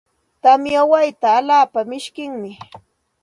Tamya wayta alaapa mishkim.